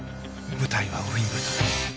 舞台はウィンブルドン。